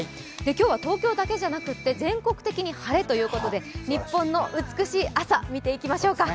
今日は東京だけでなく全国的に晴れということで、日本の美しい朝、見ていきましょうか。